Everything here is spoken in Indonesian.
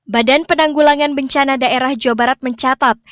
badan penanggulangan bencana daerah jawa barat mencatat